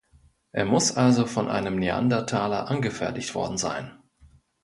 Er muss also von einem Neandertaler angefertigt worden sein.